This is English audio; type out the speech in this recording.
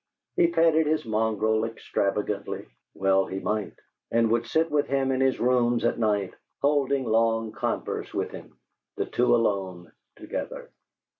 He petted his mongrel extravagantly (well he might!), and would sit with him in his rooms at night, holding long converse with him, the two alone together.